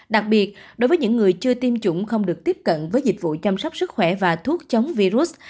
đặc biệt đối với những người chưa tiêm chủng không được tiếp cận với dịch vụ chăm sóc sức khỏe và thuốc chống virus